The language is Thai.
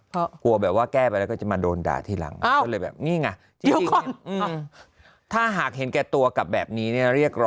พอแบบว่าแก้ไปแล้วก็จะมาโดนด่างที่ล